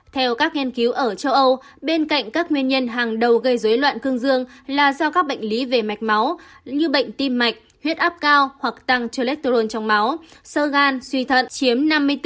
theo các nghiên cứu ở châu âu bên cạnh các nguyên nhân hàng đầu gây dối loạn cương dương là do các bệnh lý về mạch máu như bệnh tim mạch huyết áp cao hoặc tăng cholesterol trong máu sơ gan suy thận chiếm năm mươi bốn